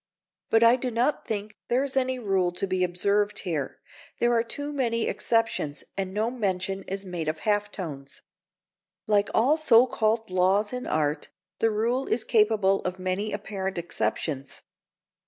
But I do not think there is any rule to be observed here: there are too many exceptions, and no mention is made of half tones. Like all so called laws in art, this rule is capable of many apparent exceptions.